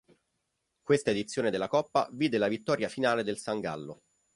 Questa edizione della coppa vide la vittoria finale del San Gallo.